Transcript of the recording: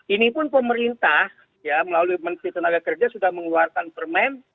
ini pun pemerintah melalui menteri tenaga kerja sudah mengeluarkan permen